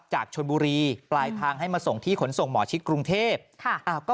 จากชนบุรีปลายทางให้มาส่งที่ขนส่งหมอชิดกรุงเทพ